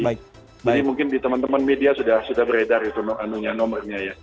jadi mungkin di teman teman media sudah beredar nomornya ya